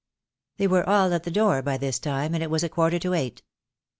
They were at the hall door by this time, and it was a quarter to eight.